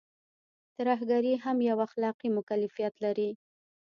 ترهګري هم يو اخلاقي مکلفيت لري.